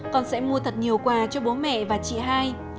con sẽ mua thật nhiều quà cho bố mẹ và chị hai